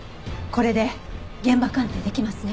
これで現場鑑定できますね。